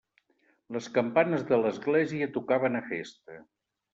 Les campanes de l'església tocaven a festa.